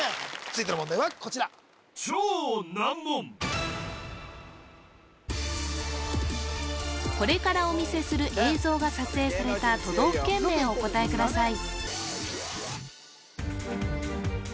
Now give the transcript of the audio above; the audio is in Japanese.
続いての問題はこちらこれからお見せする映像が撮影された都道府県名をお答えください